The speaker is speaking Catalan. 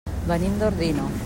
Venim d'Ordino.